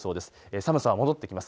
寒さが戻ってきます。